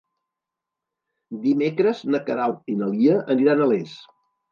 Dimecres na Queralt i na Lia aniran a Les.